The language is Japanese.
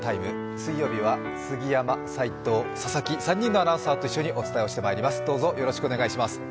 水曜日は杉山、齋藤、佐々木、３人のアナウンサーと共にお伝えしていきます。